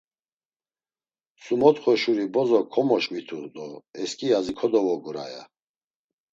Sumotxo şuri bozo komoşǩvitu do eskiyazi kodovogura, ya.